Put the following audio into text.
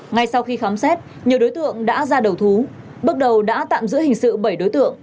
ngay sau khi khám xét nhiều đối tượng đã ra đầu thú bước đầu đã tạm giữ hình sự bảy đối tượng